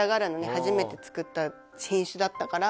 「初めて作った品種だったから」